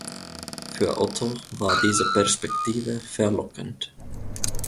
Für Otto war diese Perspektive verlockend.